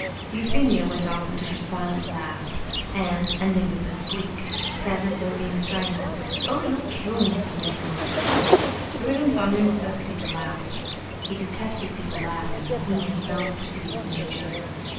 Euphemia went off into her silent laugh, and, ending with the squeak, said, as though being strangled: "Oh, you'll kill me some day, auntie." Swithin saw no necessity to laugh; he detested people laughing when he himself perceived no joke.